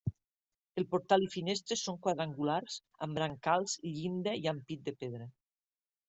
El portal i finestres són quadrangulars amb brancals, llinda i ampit de pedra.